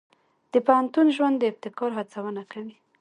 د پوهنتون ژوند د ابتکار هڅونه کوي.